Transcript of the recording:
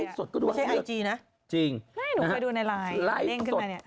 ไลฟ์สดก็ดูไม่ใช่ไอจีนะจริงไม่หนูเคยดูในไลน์เล่นขึ้นมาเนี้ย